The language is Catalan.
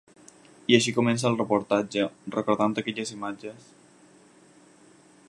I així comença el reportatge, recordant aquelles imatges.